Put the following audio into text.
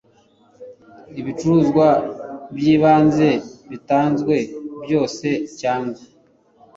ibicuruzwa by ibanze bitanzwe byose cyangwa